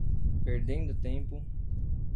Perdendo tempo